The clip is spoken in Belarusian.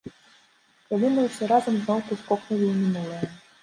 Калі мы ўсе разам зноўку скокнулі ў мінулае.